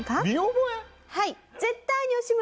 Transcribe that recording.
はい。